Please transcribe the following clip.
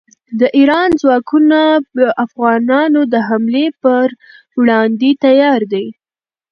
د ایران ځواکونه د افغانانو د حملې پر وړاندې تیار دي.